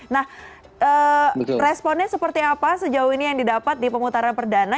nah responnya seperti apa sejauh ini yang didapat di pemutaran perdana